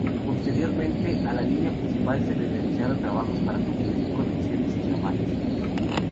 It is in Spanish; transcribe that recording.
Posteriormente, a la línea principal se le realizaron trabajos para construir conexiones y ramales.